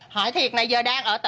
hỏi thiệt này giờ đang ở tỉnh nào á